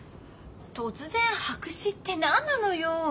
突然白紙って何なのよっ！？